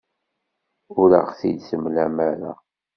Ur aɣ-t-id-temlam ara.